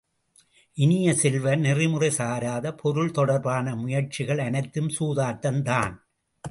இனிய செல்வ, நெறிமுறை சாராத பொருள் தொடர்பான முயற்சிகள் அனைத்தும் சூதாட்டம் தான்!